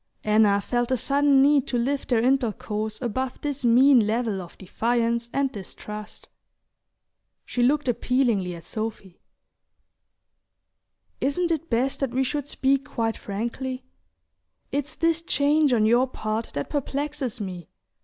Anna felt the sudden need to lift their intercourse above this mean level of defiance and distrust. She looked appealingly at Sophy. "Isn't it best that we should speak quite frankly? It's this change on your part that perplexes me.